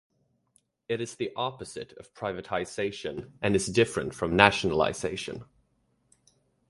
It is the opposite of privatization and is different from nationalization.